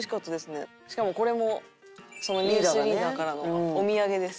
しかもこれも『ニュースリーダー』からのお土産です。